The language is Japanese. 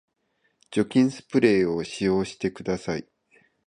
除菌スプレーを使用してください